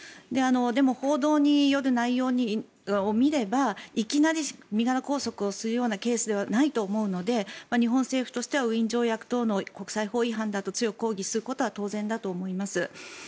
でも、報道による内容を見ればいきなり身柄拘束をするようなケースではないと思うので日本政府としてはウィーン条約等の国際法違反だとして強く抗議することは当然だと思います。